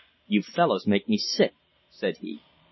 "You fellows make me sick," said he.